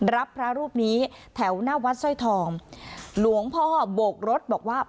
รับพระรูปนี้แถวหน้าวัดสร้อยทองหลวงพ่อโบกรถบอกว่า